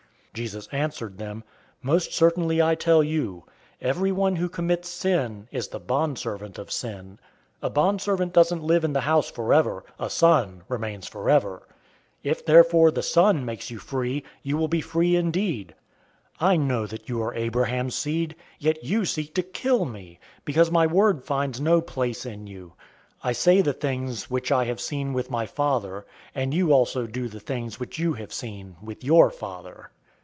'" 008:034 Jesus answered them, "Most certainly I tell you, everyone who commits sin is the bondservant of sin. 008:035 A bondservant doesn't live in the house forever. A son remains forever. 008:036 If therefore the Son makes you free, you will be free indeed. 008:037 I know that you are Abraham's seed, yet you seek to kill me, because my word finds no place in you. 008:038 I say the things which I have seen with my Father; and you also do the things which you have seen with your father."